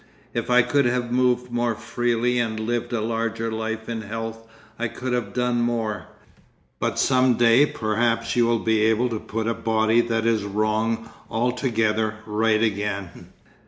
If I could have moved more freely and lived a larger life in health I could have done more. But some day perhaps you will be able to put a body that is wrong altogether right again.